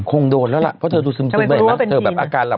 คงโดนแล้วล่ะเพราะเธอดูซึมไปเห็นไหมเธอแบบอาการหลับ